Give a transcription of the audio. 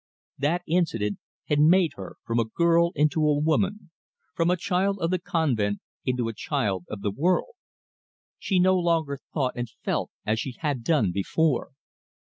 That incident had made her from a girl into a woman, from a child of the convent into a child of the world. She no longer thought and felt as she had done before.